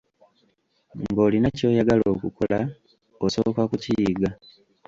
Ng'olina ky'oyagala okukola, osooka kukiyiga.